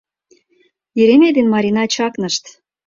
Еремей ден Марина чакнышт.